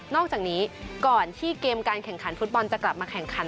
อกจากนี้ก่อนที่เกมการแข่งขันฟุตบอลจะกลับมาแข่งขัน